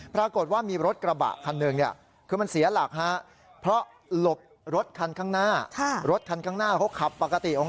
ประกดว่ามีรถกระบะคันหนึ่ง